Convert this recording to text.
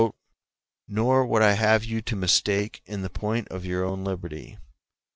] "Nor would I have you to mistake in the point of your own liberty.